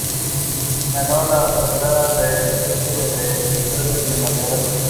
Ganó la otorgada por el Círculo de Escritores Cinematográficos.